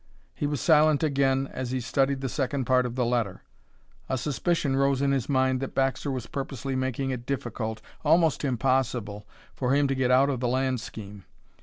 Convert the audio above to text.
He was silent again as he studied the second part of the letter. A suspicion rose in his mind that Baxter was purposely making it difficult, almost impossible, for him to get out of the land scheme.